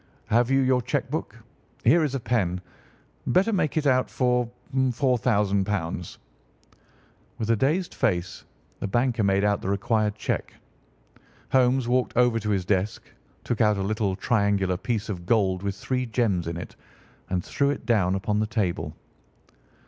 Have you your cheque book? Here is a pen. Better make it out for £ 4000." With a dazed face the banker made out the required check. Holmes walked over to his desk, took out a little triangular piece of gold with three gems in it, and threw it down upon the table.